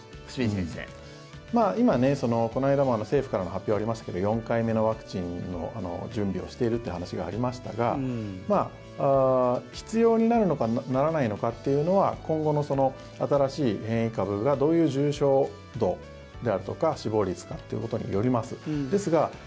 今、この間も政府からの発表がありましたが４回目のワクチンの準備をしているという話がありましたが必要になるのかならないのかというのは今後の新しい変異株がどういう重症度であるとか死亡率かということによります。